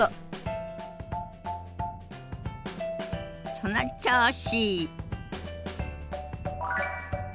その調子！